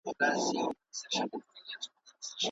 کیسې د ماشومانو تخیل پراخوي.